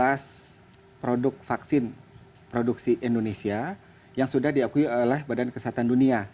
ada produk vaksin produksi indonesia yang sudah diakui oleh badan kesehatan dunia